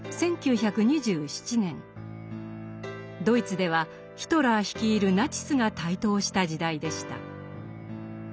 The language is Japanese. ドイツではヒトラー率いるナチスが台頭した時代でした。